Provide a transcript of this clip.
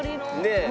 ねえ。